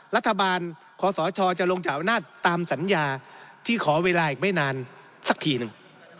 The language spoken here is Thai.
รัฐบาลขอสชจะลงจากอำนาจตามสัญญาที่ขอเวลาอีกไม่นานสักทีหนึ่ง